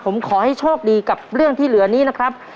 ผมขอให้โชคดีกับเรื่องที่เหลือนี้นะครับ